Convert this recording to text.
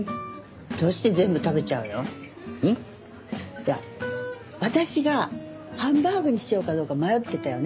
いや私がハンバーグにしようかどうか迷ってたよね？